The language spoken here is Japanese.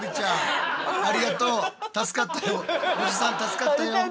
おじさん助かったよ。